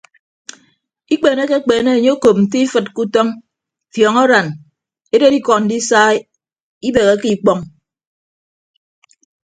Ikpeenekekpeene enye okop nte ifịd ke utọñ fiọñaran eded ikọ ndisa ibeheke ikpọñ.